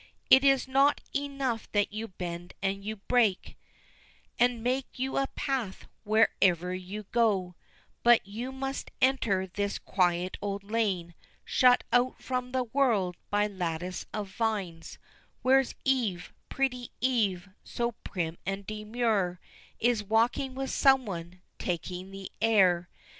Is it not enough that you bend and you break, And make you a path wherever you go, But you must enter this quiet old lane, Shut out from the world by lattice of vines, Where Eve, pretty Eve, so prim and demure Is walking with someone, taking the air?